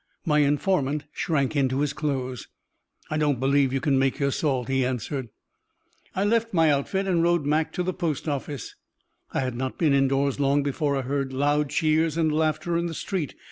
My informant shrank into his clothes. "I don't believe you can make your salt," he answered. I left my outfit, and rode Mac to the post office. I had not been indoors long before I heard loud cheers and laughter in the street.